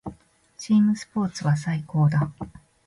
チームスポーツは最高だ。